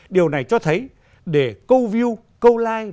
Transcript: điều này cho thấy để câu view câu like